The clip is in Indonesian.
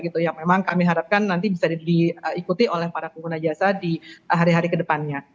yang memang kami harapkan nanti bisa diikuti oleh para pengguna jasa di hari hari kedepannya